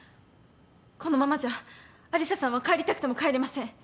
このままじゃ有沙さんは帰りたくても帰れません。